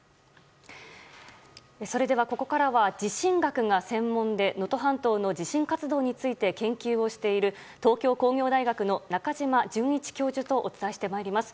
それではここからは地震学が専門で能登半島の地震活動について研究をしている東京工業大学の中島淳一教授とお伝えしてまいります。